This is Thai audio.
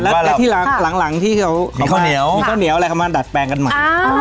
แล้วที่หลังที่เขาเอาข้าวเหนียวมีข้าวเหนียวอะไรเขามาดัดแปลงกันใหม่